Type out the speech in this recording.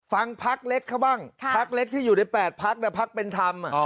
ฟังพรรคเล็กเข้าบ้างพรรคเล็กที่อยู่ใน๘พรรคแต่พรรคเป็นธรรม